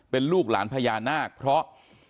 เป็นลูกหลานพญานาคเพราะ